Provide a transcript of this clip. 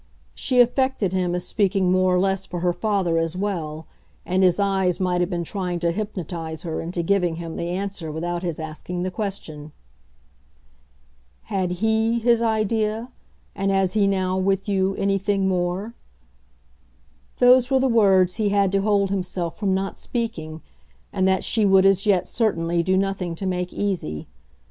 She affected him as speaking more or less for her father as well, and his eyes might have been trying to hypnotise her into giving him the answer without his asking the question. "Had HE his idea, and has he now, with you, anything more?" those were the words he had to hold himself from not speaking and that she would as yet, certainly, do nothing to make easy.